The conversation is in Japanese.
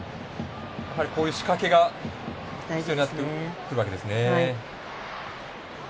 こういう仕掛けが必要になってくるわけですね。